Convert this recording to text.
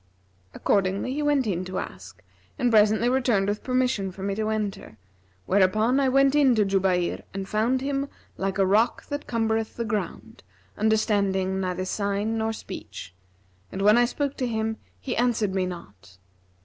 Accordingly he went in to ask and presently returned with permission for me to enter, whereupon I went in to Jubayr and found him like a rock that cumbereth the ground, understanding neither sign nor speech; and when I spoke to him he answered me not.